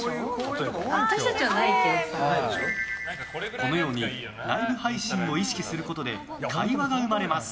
このようにライブ配信を意識することで会話が生まれます。